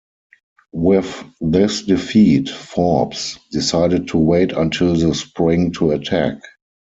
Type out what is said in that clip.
With this defeat, Forbes decided to wait until the spring to attack.